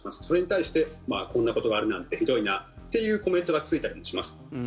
それに対してこんなことがあるなんてひどいなっていうコメントがついたりもします。